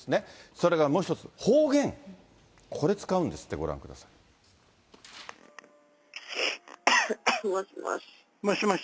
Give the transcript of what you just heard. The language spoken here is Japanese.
それからもう１つ、方言、これ使うんですって、これ、ご覧くださもしもし。